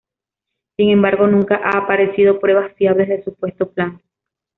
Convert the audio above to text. Sin embargo, nunca han aparecido pruebas fiables del supuesto plan.